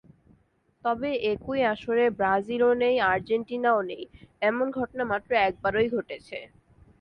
তবে একই আসরে ব্রাজিলও নেই আর্জেন্টিনাও নেই—এমন ঘটনা মাত্র একবারই ঘটেছে।